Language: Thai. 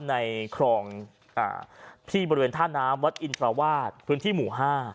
ในครองที่บริเวณท่าน้ำวัดอินทราวาสพื้นที่หมู่๕